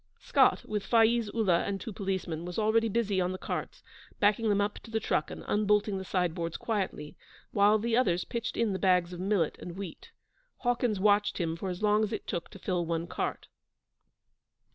Scott, with Faiz Ullah and two policemen, was already busy on the carts, backing them up to the truck and unbolting the sideboards quietly, while the others pitched in the bags of millet and wheat. Hawkins watched him for as long as it took to fill one cart.